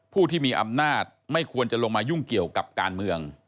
ผู้ที่มีอำนาจไม่ควรจะลงมายุ่งเกี่ยวกับการเมือง